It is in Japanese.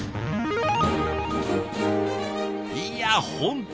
いや本当